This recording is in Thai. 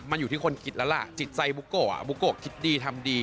มันอยู่ที่คนคิดแล้วล่ะจิตใจบุโกะบุโกะคิดดีทำดี